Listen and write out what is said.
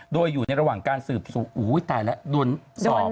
โดยอยู่ในระหว่างการสืบสวนอุ้ยตายแล้วโดนสอบ